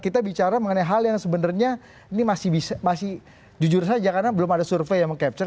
kita bicara mengenai hal yang sebenarnya ini masih jujur saja karena belum ada survei yang meng capture